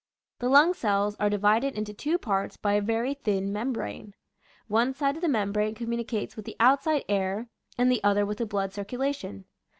The lung cells are divided into two parts by a very thin membrane. One side of the membrane communicates with the outside air and the other with the blood circulation.